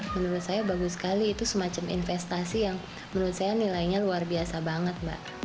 menurut saya bagus sekali itu semacam investasi yang menurut saya nilainya luar biasa banget mbak